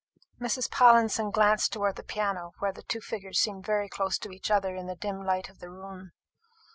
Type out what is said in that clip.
Mrs. Pallinson glanced towards the piano, where the two figures seemed very close to each other in the dim light of the room.